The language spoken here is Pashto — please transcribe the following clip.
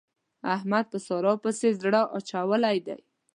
احمد په سارا پسې زړه اچولی دی.